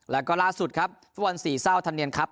แล้วก็ล่าสุดครับฟุตบอลสี่เศร้าธรรมเนียนครับ